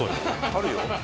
あるよ。